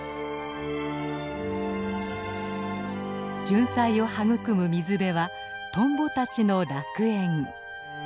ジュンサイを育む水辺はトンボたちの楽園。